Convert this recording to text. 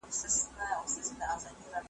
د پانوس جنازه وزي خپلي شمعي سوځولی ,